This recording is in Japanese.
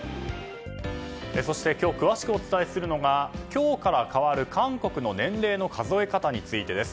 そして今日、詳しくお伝えするのが今日から変わる韓国の年齢の数え方についてです。